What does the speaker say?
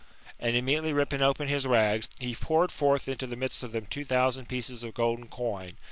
And immediately ripping open his rags, he poured forth . into the , midst of them two thousand pieces of golden coin.